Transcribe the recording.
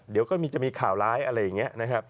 เดี๋ยวก็จะมีข่าวร้ายอะไรอย่างนี้นะครับ